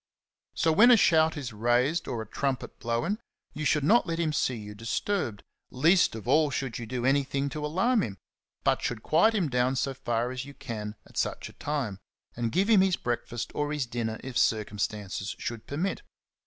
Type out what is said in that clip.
So when a shout is raised or a trumpet blown, you should not let him see you disturbed, least of all should you do anything to alarm him, but should quiet him down so far as you can at such a time, and give him his breakfast or his dinner if circumstances should permit.